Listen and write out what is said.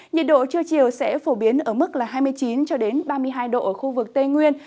nhiệt độ trưa chiều sẽ phổ biến ở mức hai mươi chín cho đến ba mươi hai độ ở khu vực tây nguyên